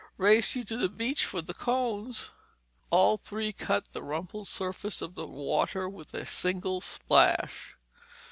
Race you to the beach for the cones!" All three cut the rumpled surface of the water with a single splash.